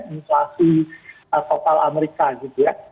inflasi total amerika